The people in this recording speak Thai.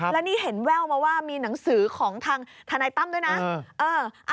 แล้วนี่เห็นแว่วมาว่ามีหนังสือของทางทนายตั้มด้วยนะ